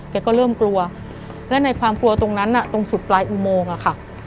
แกก็เริ่มกลัวและในความกลัวตรงนั้นตรงสุดปลายอุโมงอะค่ะ